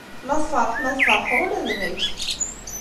Ma tfeṛḥem, ad feṛḥeɣ ula d nekk.